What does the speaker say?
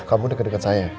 kamu deket deket saya